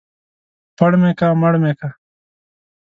پړ مې که ، مړ مې که.